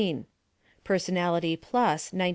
Personality Plus, 1914.